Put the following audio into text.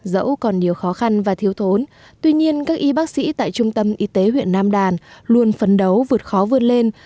dẫu còn nhiều khó khăn và thiếu thốn tuy nhiên các y bác sĩ tại trung tâm y tế huyện nam đàn luôn phấn đấu vượt khó vươn lên